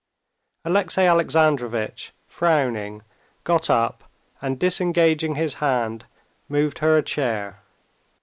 Alexey Alexandrovitch, frowning, got up, and disengaging his hand, moved her a chair.